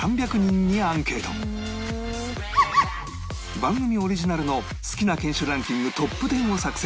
番組オリジナルの好きな犬種ランキングトップ１０を作成